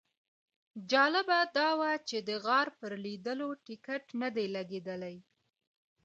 جالبه دا وه چې د غار پر لیدلو ټیکټ نه دی لګېدلی.